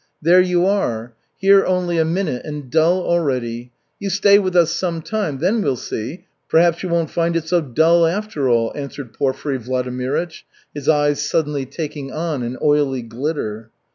"There you are! Here only a minute and dull already. You stay with us some time, then we'll see, perhaps you won't find it so dull after all," answered Porfiry Vladimirych, his eyes suddenly taking on an oily glitter.